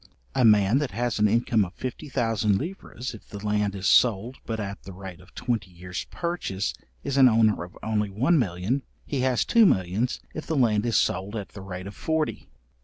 A man that has an income of fifty thousand livres, if the land is sold but at the rate of twenty years purchase is an owner of only one million; he has two millions, if the land is sold at the rate of forty.